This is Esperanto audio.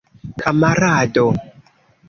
kamarado